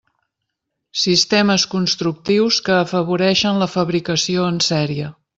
Sistemes constructius que afavoreixen la fabricació en sèrie.